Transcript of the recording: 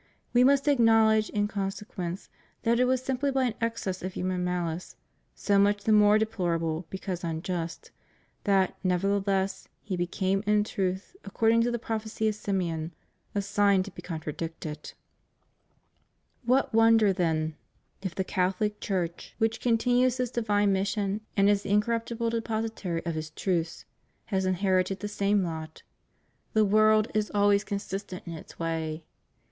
We must acknowledge, in consequence, that it was simply by an excess of human malice, so much the more deplorable because unjust, that, nevertheless. He became, in truth, according to the prophecy of Simeon, "a sign to be contradicted." What wonder, then, if the Catholic Church, which ' St. John XV. 18. 658 REVIEW OF HIS PONTIFICATE. continues His divine mission, and is the incorruptible depositary of His truths, has inherited the same lot. The world is always consistent in its way.